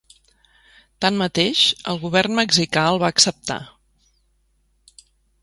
Tanmateix, el govern mexicà el va acceptar.